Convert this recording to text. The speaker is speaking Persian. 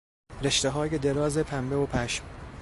رشتههای دراز پنبه و پشم